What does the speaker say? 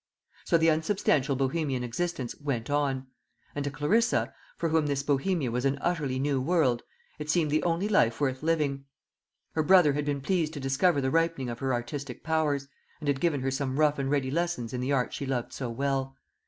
So the unsubstantial Bohemian existence went on; and to Clarissa, for whom this Bohemia was an utterly new world, it seemed the only life worth living. Her brother had been pleased to discover the ripening of her artistic powers, and had given her some rough and ready lessons in the art she loved so well.